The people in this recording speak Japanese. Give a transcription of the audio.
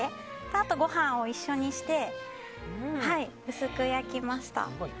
あとはご飯を一緒にして薄く焼きました。